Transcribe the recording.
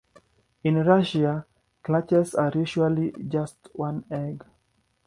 In Russia, clutches are usually just one egg.